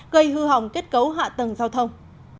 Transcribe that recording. gây hư hỏng kết cấu hạ tầng giao thông